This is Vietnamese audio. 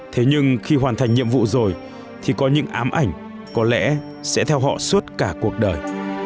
thế nhưng khi hoàn thành nhiệm vụ rồi thì có những ám ảnh có lẽ sẽ theo họ suốt cả cuộc đời